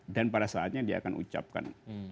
dan pada saatnya dia akan ucapkan